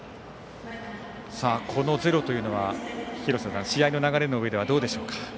このゼロというのは廣瀬さん、試合の流れのうえでどうでしょうか？